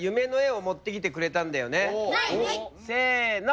せの。